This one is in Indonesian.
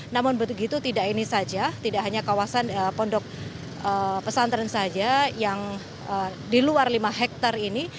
namun begitu tidak ini saja tidak hanya kawasan pondok pesantren saja yang di luar lima hektare ini